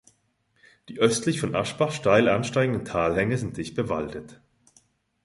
Die östlich von Aschbach steil ansteigenden Talhänge sind dicht bewaldet.